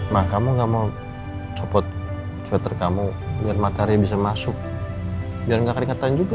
mah kamu enggak mau copot sweater kamu biar matahari bisa masuk dan nggak keringetan juga